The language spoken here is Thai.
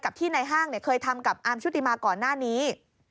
ที่ในห้างเคยทำกับอาร์มชุติมาก่อนหน้านี้